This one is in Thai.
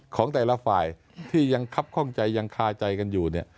ของแต่ละฝ่ายที่ยังครับข้องใจยังคาใจกันอยู่เนี่ย